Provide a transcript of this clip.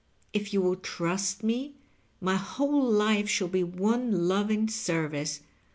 If you will trust me, my whole life shall be one loving service.